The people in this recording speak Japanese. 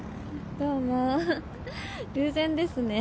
どうもははっ偶然ですね。